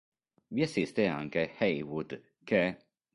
Vi assiste anche Haywood, che.